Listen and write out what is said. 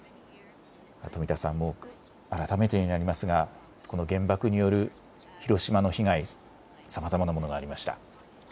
富田さん、改めてになりますがこの原爆による広島の被害、さまざまなものがありました。